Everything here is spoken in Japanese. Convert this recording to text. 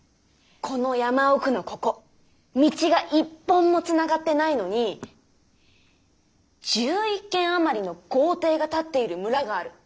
この山奥のここ道が一本もつながってないのに１１軒あまりの「豪邸」が建っている「村」がある。